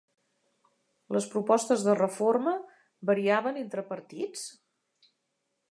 Les propostes de reforma variaven entre partits?